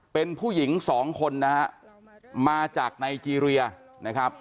เป็นผู้หญิง๒คนนะครับมาจากไนจีเรียนะครับ